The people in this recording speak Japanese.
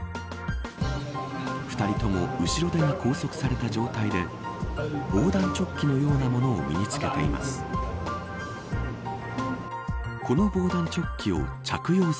２人とも後ろ手に拘束された状態で防弾チョッキのようなものを身に着けています。